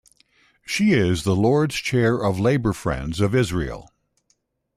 She is the Lords Chair of The Labour Friends of Israel.